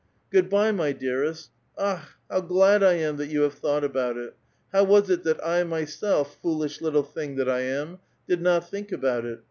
"Good by, my dearest.* Akh! how glad I am that you have thought about it ! How was it that I, myself, foolish little thing that I am, did not think about it?